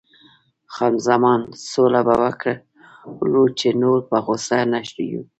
خان زمان: سوله به وکړو، چې نور په غوسه نه یو.